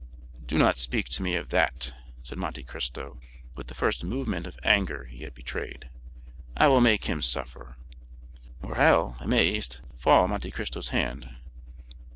"Do not speak to me of that," said Monte Cristo, with the first movement of anger he had betrayed; "I will make him suffer." Morrel, amazed, let fall Monte Cristo's hand.